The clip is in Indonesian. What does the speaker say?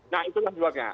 nah itulah sebagainya